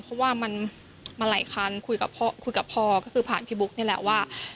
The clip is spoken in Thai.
เพราะว่ามันมาหลายคันคุยกับพ่อคุยกับพ่อก็คือผ่านพี่บุ๊กนี่แหละว่า